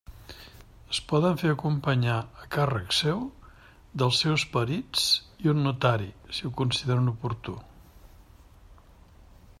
Es poden fer acompanyar, a càrrec seu, dels seus perits i un notari, si ho consideren oportú.